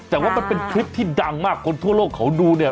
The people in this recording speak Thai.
แต่ว่ามันเป็นคลิปที่ดังมากคนทั่วโลกเขาดูเนี่ย